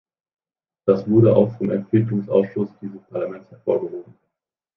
Das wurde auch vom Entwicklungsausschuss dieses Parlaments hervorgehoben.